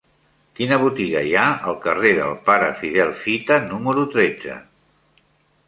Quina botiga hi ha al carrer del Pare Fidel Fita número tretze?